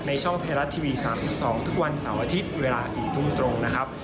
ในช่องไทยรัททีวี๓๒ทุกวันเสาร์อาทิตย์เวลา๑๖๐๐นนะครับ